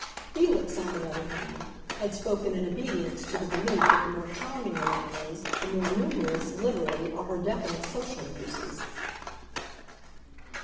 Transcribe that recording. Felix, on the other hand, had spoken in obedience to the belief that the more charming a woman is the more numerous, literally, are her definite social uses.